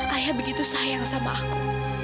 ayah begitu sayang sama aku